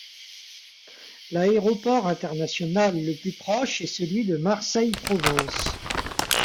L'aéroport international le plus proche est celui de Marseille Provence.